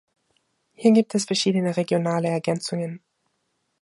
Hier gibt es verschiedene regionale Ergänzungen.